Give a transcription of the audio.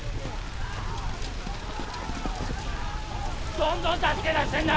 どんどん助け出してるんだあ。